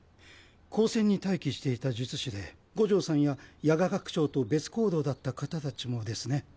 高専に待機していた術師で五条さんや夜蛾学長と別行動だった方たちもですね。